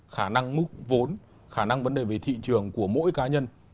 khả năng mức vốn khả năng vấn đề về thị trường của mỗi cá nhân